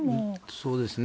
そうですね。